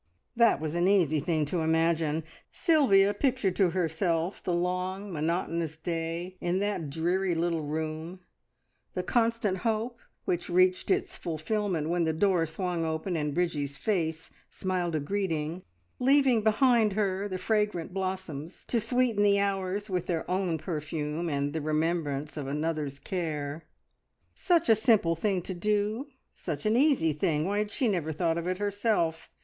That was an easy thing to imagine. Sylvia pictured to herself the long, monotonous day in that dreary little room, the constant hope which reached its fulfilment when the door swung open and Bridgie's face smiled a greeting, leaving behind her the fragrant blossoms to sweeten the hours with their own perfume, and the remembrance of another's care. Such a simple thing to do! Such an easy thing! Why had she never thought of it herself?